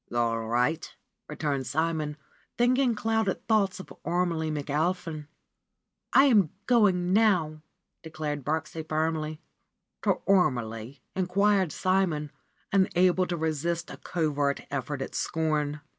"All right," returned Simon, thinking clouded thoughts of Ormelie McAlpin. "I am going now," declared Birksie firmly. "To Ormelie?" inquired Simon, unable to resist a covert effort at scorn.